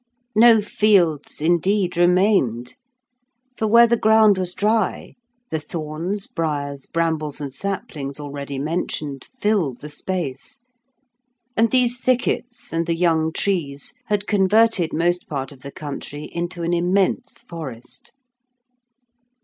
No fields, indeed, remained, for where the ground was dry, the thorns, briars, brambles, and saplings already mentioned filled the space, and these thickets and the young trees had converted most part of the country into an immense forest.